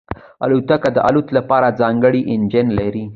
الوتکه د الوت لپاره ځانګړی انجن لري.